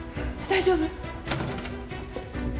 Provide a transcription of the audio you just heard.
大丈夫？